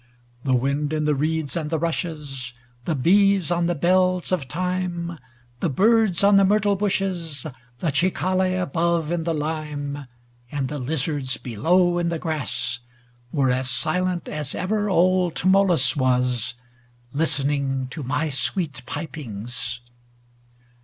The wind in the reeds and the rushes, The bees on the bells of thyme, The birds on the myrtle bushes, The cicale above in the lime, And the lizards below in the grass. Were as silent as ever old Tmolus was, Listening my sweet pipings.